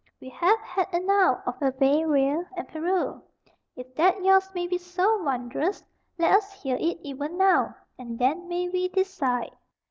We have had enow of Barbaria and Perew. If that yours may be so wondrous, let us hear it even now, and then may we decide."